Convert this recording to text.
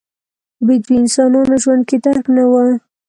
بدوي انسانانو ژوند کې درک نه و.